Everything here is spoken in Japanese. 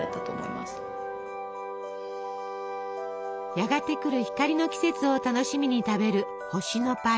やがて来る光の季節を楽しみに食べる星のパイ。